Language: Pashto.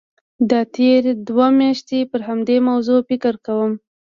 دا تېرې دوه میاشتې پر همدې موضوع فکر کوم.